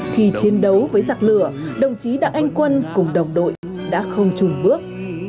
khi chiến đấu với giặc lửa đồng chí đặng anh quân cùng đồng đội đã không chùm bước